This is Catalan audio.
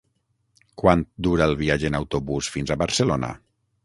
Quant dura el viatge en autobús fins a Barcelona?